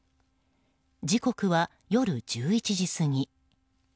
時刻は夜１１時過ぎ。